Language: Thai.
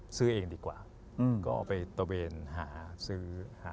ซื้อเองดีกว่าก็ไปตะเวนหาซื้อหา